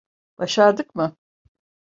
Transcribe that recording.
Başardık mı?